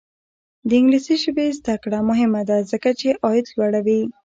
د انګلیسي ژبې زده کړه مهمه ده ځکه چې عاید لوړوي.